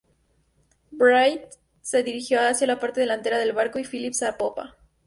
Bride se dirigió hacia la parte delantera del barco y Phillips a popa.